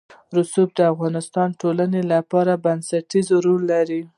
رسوب د افغانستان د ټولنې لپاره بنسټيز رول لري.